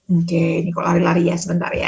oke ini kalau lari lari ya sebentar ya